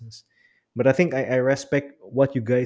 apa yang anda lakukan